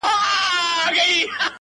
جادوگري جادوگر دي اموخته کړم;